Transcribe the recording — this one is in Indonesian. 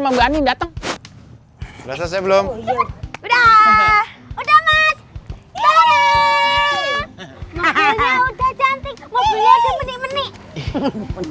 mobilnya udah cantik mobilnya udah menik menik